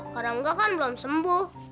kak rangga kan belum sembuh